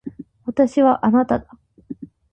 私はあなただ。